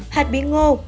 hạt bí ngô